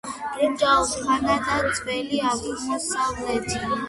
ბრინჯაოს ხანა და ძველი აღმოსავლეთი